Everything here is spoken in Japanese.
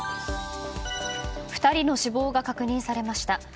２人の死亡が確認されました。